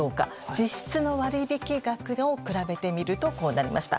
実質の割引額を比べてみるとこうなりました。